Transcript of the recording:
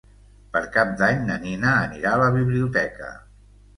Per Cap d'Any na Nina anirà a la biblioteca.